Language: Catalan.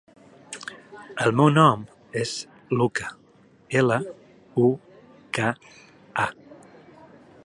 El meu nom és Luka: ela, u, ca, a.